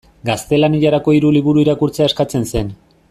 Gaztelaniarako hiru liburu irakurtzea eskatzen zen.